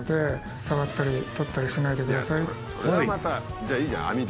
じゃあいいじゃん網で。